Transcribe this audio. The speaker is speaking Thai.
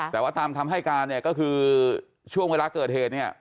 แต่ว่าตามคำให้การเนี่ยก็คือช่วงเวลาเกิดเหตุเนี่ย